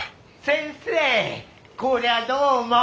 先生こりゃどうも。